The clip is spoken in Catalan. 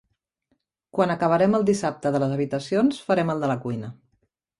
Quan acabarem el dissabte de les habitacions farem el de la cuina.